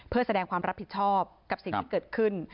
เพื่อแสดงความรับผิดชอบกับสิ่งที่เกิดขึ้น